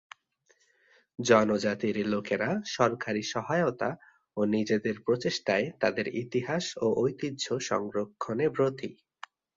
জনজাতির লোকেরা সরকারী সহায়তা ও নিজেদের প্রচেষ্টায় তাদের ইতিহাস ও ঐতিহ্য সংরক্ষণে ব্রতী।